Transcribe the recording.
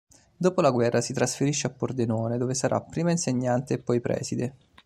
Dopo la guerra si trasferisce a Pordenone dove sarà prima insegnante e poi preside.